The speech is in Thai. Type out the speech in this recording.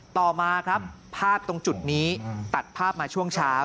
ต่อมาครับภาพตรงจุดนี้ตัดภาพมาช่วงเช้า